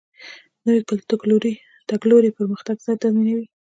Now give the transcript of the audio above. نوی تګلوری پرمختګ تضمینوي